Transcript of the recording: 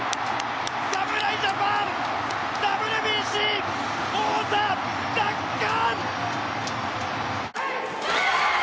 侍ジャパン、ＷＢＣ王座奪還！